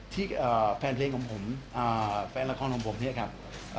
ที่แฟนเพลงของผมแฟนละครของผมเนี่ยครับ